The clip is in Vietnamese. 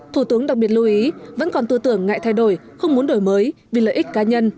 thủ tướng đặc biệt lưu ý vẫn còn tư tưởng ngại thay đổi không muốn đổi mới vì lợi ích cá nhân